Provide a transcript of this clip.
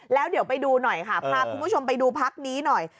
แล้วเดี๋ยวไปดูหน่อยค่ะพาคุณผู้ชมไปดูพักนี้หน่อย